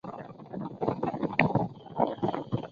自旋玻璃是磁性合金材料的一种亚稳定的状态。